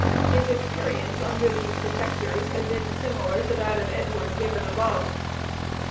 His experience under these protectors had been similar to that of Edward given above.